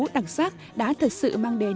đặc sắc đã thật sự mang đến